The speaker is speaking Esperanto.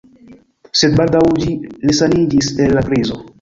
Sed baldaŭ ĝi resaniĝis el la krizo.